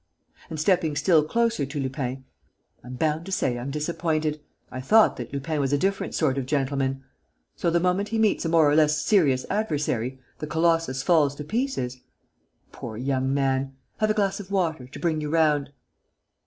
And, stepping still closer to Lupin, "I'm bound to say, I'm disappointed. I thought that Lupin was a different sort of gentleman. So, the moment he meets a more or less serious adversary, the colossus falls to pieces? Poor young man! Have a glass of water, to bring you round!"